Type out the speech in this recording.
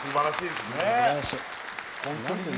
すばらしいね。